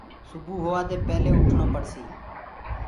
سبو هووآ دي پيلي اُٺڻو پڙسيٚ